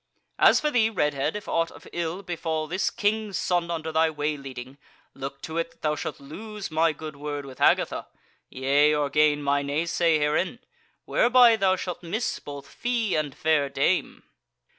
As for thee, Redhead, if aught of ill befall this King's Son under thy way leading, look to it that thou shalt lose my good word with Agatha; yea, or gain my naysay herein; whereby thou shalt miss both fee and fair dame."